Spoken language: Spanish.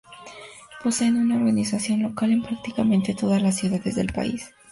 Poseen una organización local en prácticamente todas las ciudades del país.